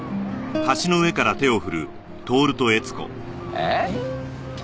えっ？